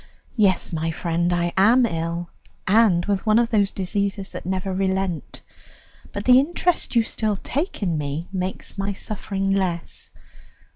Yes, my friend, I am ill, and with one of those diseases that never relent; but the interest you still take in me makes my suffering less.